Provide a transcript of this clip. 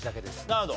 なるほど。